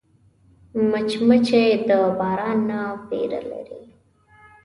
مچمچۍ د باران نه ویره لري